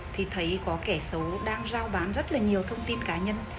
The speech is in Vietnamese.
thì thấy có kẻ xấu đang giao bán rất là nhiều thông tin cá nhân